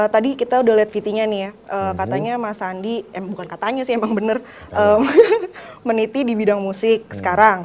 tadi kita udah lihat vt nya nih ya katanya mas andi eh bukan katanya sih emang bener meniti di bidang musik sekarang